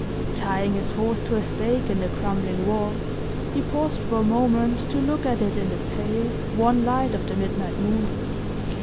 Tying his horse to a stake in the crumbling wall, he paused for a moment to look at it in the pale, wan light of the midnight moon.